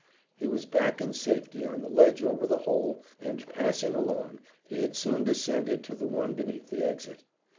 He was back in safety on the ledge over the hole, and, passing along, he had soon descended to the one beneath the exit.